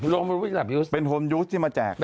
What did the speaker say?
ราบรุ่นก็มาแจก